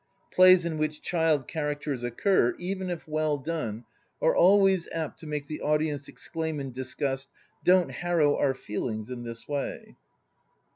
... Plays in which child characters occur, even if well done, are always apt to make the audience exclaim in disgust, "Don't harrow our feelings in this way!"